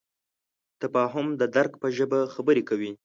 تفاهم د درک په ژبه خبرې کوي.